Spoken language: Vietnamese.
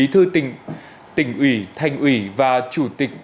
tỉnh ủy thành ủy và chủ tịch